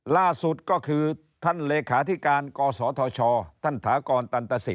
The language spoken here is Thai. ล่าสุดก็คือท่านเลขาธิการกศธชท่านถากรตันตสิท